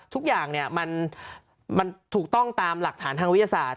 ทุกอย่างมันถูกต้องตามหลักฐานทางวิทยาศาสต